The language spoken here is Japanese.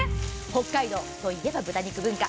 北海道といえば豚肉文化。